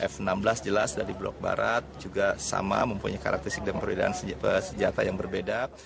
f enam belas jelas dari blok barat juga sama mempunyai karakteristik dan perbedaan senjata yang berbeda